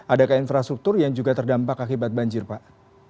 adakah infrastruktur yang juga terdampak akibat banjir pak